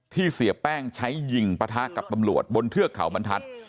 เสียแป้งใช้ยิงปะทะกับตำรวจบนเทือกเขาบรรทัศน์